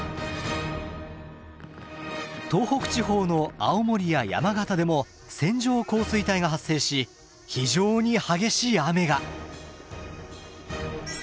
東北地方の青森や山形でも線状降水帯が発生し非常に激しい雨が。